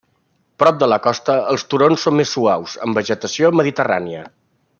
Prop de la costa, els turons són més suaus, amb vegetació mediterrània.